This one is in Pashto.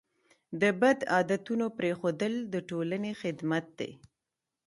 د بد عادتونو پرېښودل د ټولنې خدمت دی.